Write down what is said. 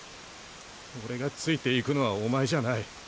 俺がついて行くのはおまえじゃない。